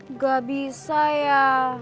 nggak bisa ya